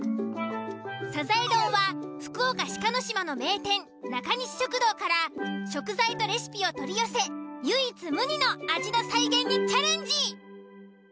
サザエ丼は福岡・志賀島の名店「中西食堂」から食材とレシピを取り寄せ唯一無二の味の再現にチャレンジ。